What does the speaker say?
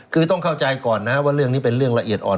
คือต้องเข้าใจก่อนนะครับว่าเรื่องนี้เป็นเรื่องละเอียดอ่อน